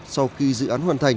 sau khi dự án hoàn thành